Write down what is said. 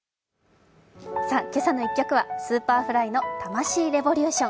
「けさの１曲」はＳｕｐｅｒｆｌｙの「タマシイレボリューション」。